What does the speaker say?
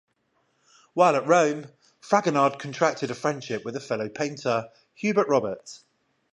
While at Rome, Fragonard contracted a friendship with a fellow painter, Hubert Robert.